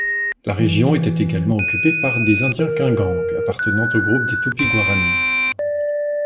La région était également occupée par des indiens caingangues, appartenant au groupe des tupi-guaranis.